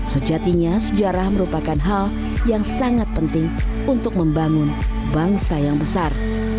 sejatinya sejarah merupakan hal yang sangat penting untuk membangun bangsa yang besar